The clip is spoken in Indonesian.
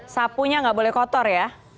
sapunya nggak boleh kotor ya